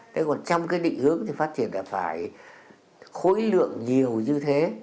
thế còn trong cái định hướng thì phát triển là phải khối lượng nhiều như thế